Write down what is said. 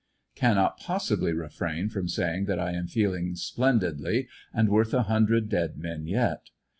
Cannot possibly refrain from say ing that I am feeling splendidly and worth a hundred dead men yet.